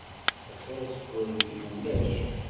Lxiṛ seg urbib ulac.